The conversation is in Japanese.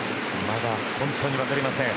まだ本当に分かりません。